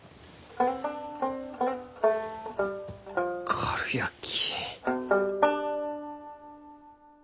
かるやき。